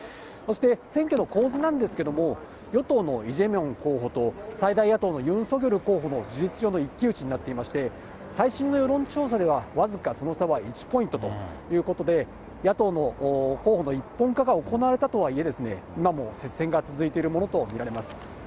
そして選挙の構図なんですけれども、与党のイ・ジェミョン候補と最大野党のユン・ソギョル候補の事実上の一騎打ちになっていまして、最新の世論調査では、僅かその差は１ポイントということで、野党の候補の一本化が行われたとはいえ、今も接戦が続いているものと見られます。